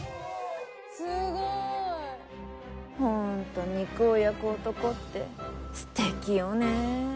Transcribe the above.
すごい・ホント肉を焼く男ってステキよね。